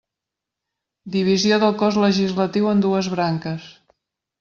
Divisió del cos legislatiu en dues branques.